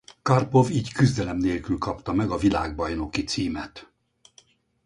Karpov így küzdelem nélkül kapta meg a világbajnoki címet.